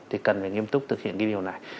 thì cần phải nghiêm túc thực hiện cái điều này